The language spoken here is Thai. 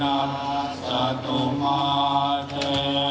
ก็ย่อมจะได้รับความเจริญ